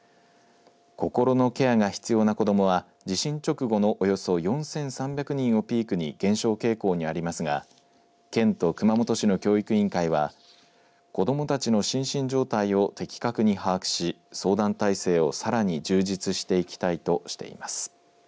心のケアが必要な子どもは地震直後のおよそ４３００人をピークに減少傾向にありますが県と熊本市の教育委員会は子どもたちの心身状態を的確に把握し相談体制をさらに充実していきたいとしています。